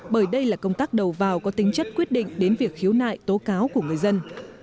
bởi đây là công tác đầu vào có tính chất quyết định đến việc khiếu nại tố cáo của người dân